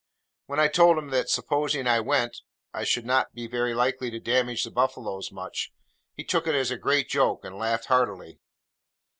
When I told him that supposing I went, I should not be very likely to damage the buffaloes much, he took it as a great joke and laughed heartily.